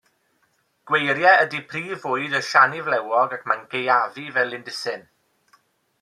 Gweiriau ydy prif fwyd y siani flewog ac mae'n gaeafu fel lindysyn.